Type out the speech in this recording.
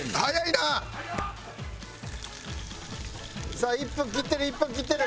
さあ１分切ってる１分切ってる。